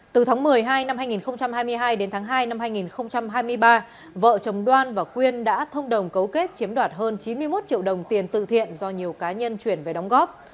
từ tháng một mươi hai năm hai nghìn hai mươi hai đến tháng hai năm hai nghìn hai mươi ba vợ chồng đoan và quyên đã thông đồng cấu kết chiếm đoạt hơn chín mươi một triệu đồng tiền tự thiện do nhiều cá nhân chuyển về đóng góp